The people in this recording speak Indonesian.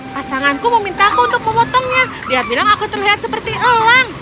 pasanganku memintaku untuk memotongnya dia bilang aku terlihat seperti elang